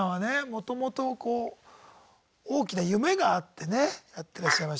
もともとこう大きな夢があってねやってらっしゃいましたから。